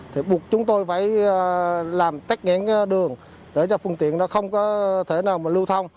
thì buộc chúng tôi phải làm tách ngãn đường để cho phương tiện nó không có thể nào mà lưu thông